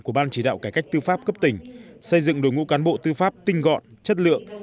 của ban chỉ đạo cải cách tư pháp cấp tỉnh xây dựng đội ngũ cán bộ tư pháp tinh gọn chất lượng